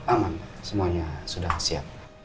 aman semuanya sudah siap